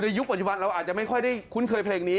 ยุคปัจจุบันเราอาจจะไม่ค่อยได้คุ้นเคยเพลงนี้